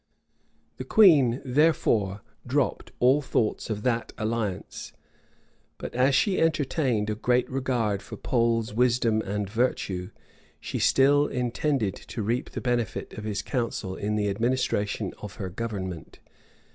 The queen, therefore, dropped all thoughts of that alliance: but as she entertained a great regard for Pole's wisdom and virtue, she still intended to reap the benefit of his counsel in the administration of her government.